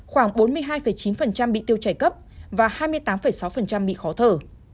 khoảng bốn mươi hai chín bị tiêu chảy cấp và hai mươi tám sáu bị khó thở